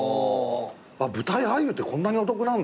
舞台俳優ってこんなにお得なんだ。